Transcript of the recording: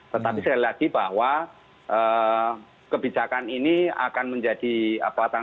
tetapi saya lagi bahwa kebijakan ini akan menjadi terobosan baru ketika